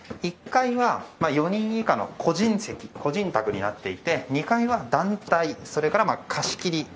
１階は４人以下の個人席個人卓になっていて２階は団体それから貸し切り。